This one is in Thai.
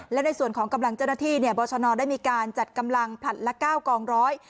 และในส่วนของกำลังเจ้าหน้าที่เนี่ยบรชนได้มีการจัดกำลังผลัดละ๙กองร้อย